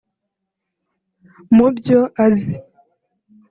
Mu byo azi